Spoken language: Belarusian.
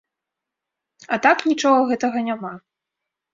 А так нічога гэтага няма.